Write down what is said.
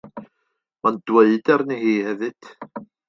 Mae'n dweud arni hi hefyd.